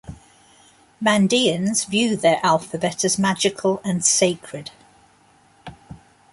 Mandaeans view their alphabet as magical and sacred.